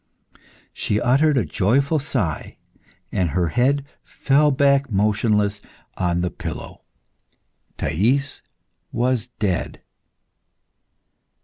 She uttered a joyful sigh, and her head fell back motionless on the pillow. Thais was dead.